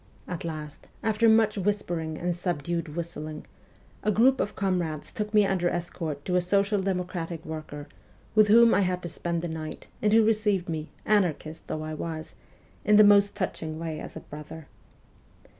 At last, after much whispering and subdued whistling, a group of comrades took me under escort to a social democrat worker, with whom I had to spend the night, and who received me, anarchist though I was, in the most touching way as a brother.